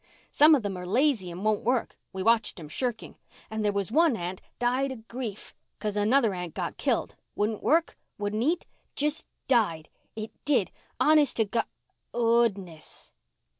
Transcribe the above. Some of 'em are lazy and won't work. We watched 'em shirking. And there was one ant died of grief 'cause another ant got killed—wouldn't work—wouldn't eat—just died—it did, honest to Go—oodness."